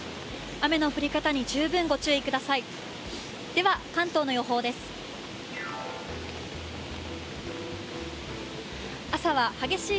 雨の降り方に十分ご注意ください。